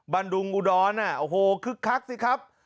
ดุงอุดรโอ้โหคึกคักสิครับ